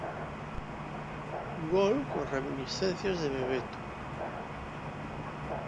Gol con reminiscencias de Bebeto.